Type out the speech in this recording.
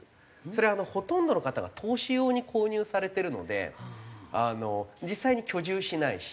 それはほとんどの方が投資用に購入されてるので実際に居住しないし。